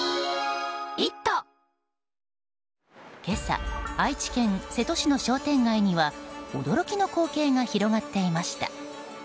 今朝愛知県瀬戸市の商店街には驚きの光景が広がっていました。